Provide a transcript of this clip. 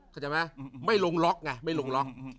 เข้าใจไหมไม่ลงล็อกไงไม่ลงล็อก